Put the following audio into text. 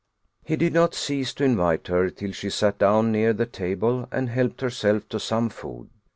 He did not cease to invite her till she sat down near the table and helped herself to some food.